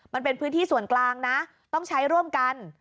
มันเป็นพื้นที่ส่วนกลางนะต้องใช้ร่วมกัน